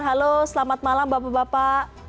halo selamat malam bapak bapak